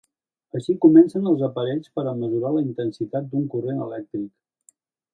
Així comencen els aparells per a mesurar la intensitat d'un corrent elèctric.